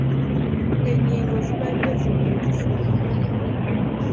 Enyingo zabade zimwekiise yenna.